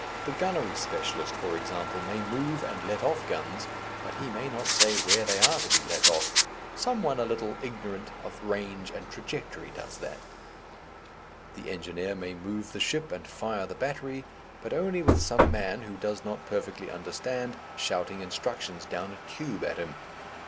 The gunnery specialist, for example, may move and let off guns, but he may not say where they are to be let off some one a little ignorant of range and trajectory does that; the engineer may move the ship and fire the battery, but only with some man, who does not perfectly understand, shouting instructions down a tube at him.